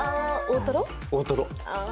大トロ。